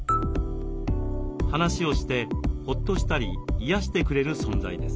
話をしてほっとしたりいやしてくれる存在です。